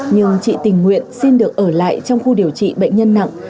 nhưng chị tình nguyện xin được ở lại trong khu điều trị bệnh nhân nặng